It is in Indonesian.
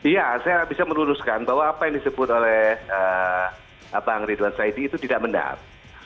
ya saya bisa meluruskan bahwa apa yang disebut oleh bang ridwan saidi itu tidak benar